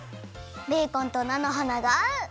ベーコンとなのはながあう！